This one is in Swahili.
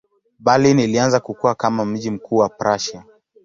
Berlin ilianza kukua kama mji mkuu wa Prussia.